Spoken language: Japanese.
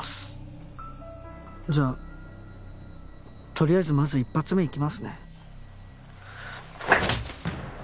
じゃあとりあえずまず１発目いきますね。